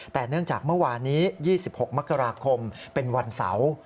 แต่เนื่องจากเมื่อวานนี้๒๖มกราคมเป็นวันเสาร์